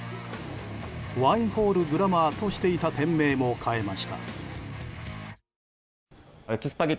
ワインホールグラマーとしていた店名も変えました。